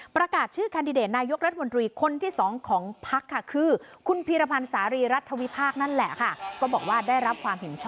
ประกาศชื่อแคนดิเดตนายกรัฐมนตรีคนที่สองของพรรคค่ะ